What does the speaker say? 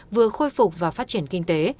vừa khôi phục và phát triển kinh tế